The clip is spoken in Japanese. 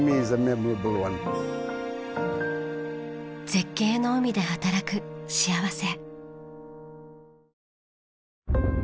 絶景の海で働く幸せ。